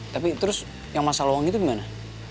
tapi terus yang masalah uang itu gimana